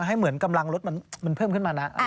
ให้เหมือนกำลังรถมันเพิ่มขึ้นมานะ